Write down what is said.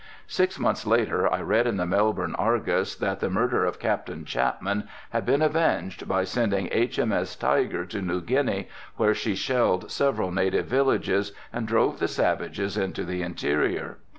Six months later I read in the Melbourne Argus that the murder of Captain Chapman had been avenged by sending H.M.S. Tiger to New Guinea, where she shelled several native villages, and drove the savages into the interior.